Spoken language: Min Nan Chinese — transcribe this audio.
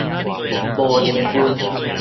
無認份